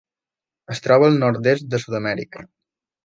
Es troba al nord-est de Sud-amèrica.